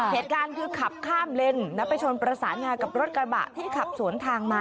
เหตุการณ์คือขับข้ามเลนแล้วไปชนประสานงากับรถกระบะที่ขับสวนทางมา